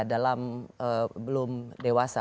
dalam belum dewasa masih dewasa